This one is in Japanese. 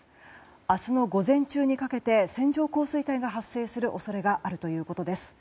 明日の午前中にかけて線状降水帯が発生する恐れがあるということです。